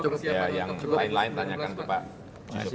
ya yang lain lain tanyakan ke pak sby